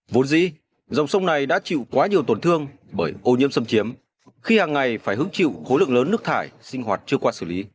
vốn dĩ dòng sông này đã chịu quá nhiều tổn thương bởi ô nhiễm xâm chiếm khi hàng ngày phải hứng chịu khối lượng lớn nước thải sinh hoạt chưa qua xử lý